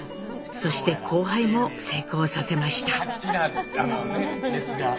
そして交配も成功させました。